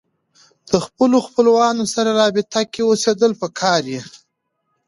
د خپلو خپلوانو سره رابطه کې اوسېدل پکار يي